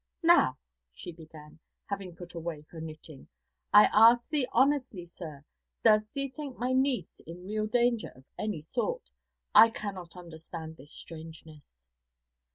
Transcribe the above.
'Now,' she began, having put away her knitting, 'I ask thee honestly, sir, does thee think my niece in real danger of any sort? I cannot understand this strangeness.'